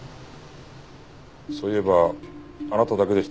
そういえばあなただけでしたね